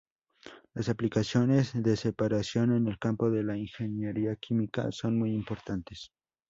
Las aplicaciones de separación en el campo de la ingeniería química son muy importantes.